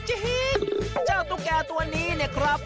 จริงเจ้าตุ๊กแก่ตัวนี้เนี่ยครับ